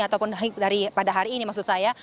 ataupun pada hari ini maksud saya